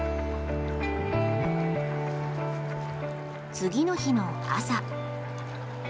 次の日の朝。